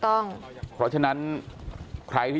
แต่ว่าวินนิสัยดุเสียงดังอะไรเป็นเรื่องปกติอยู่แล้วครับ